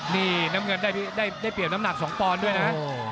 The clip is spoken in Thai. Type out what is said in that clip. นี่น้ำเงินได้เปรียบน้ำหนัก๒ปอนด์ด้วยนะ